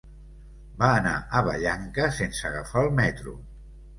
Va anar a Vallanca sense agafar el metro.